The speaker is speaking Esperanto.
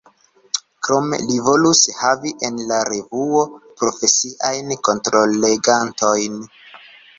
Krome li volus havi en la revuo profesiajn kontrollegantojn.